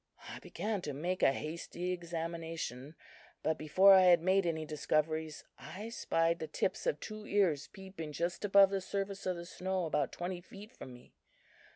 I began to make a hasty examination, but before I had made any discoveries, I spied the tips of two ears peeping just above the surface of the snow about twenty feet from me.